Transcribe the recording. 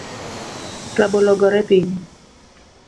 Rabolo ogore piny